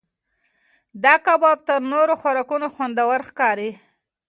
دا کباب تر نورو خوراکونو خوندور ښکاري.